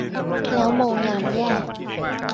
แล้วโมงยามแย่